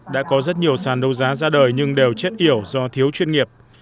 đã có rất nhiều sàn đấu giá ra đời nhưng đều chết yểu do thiếu chuyên nghiệp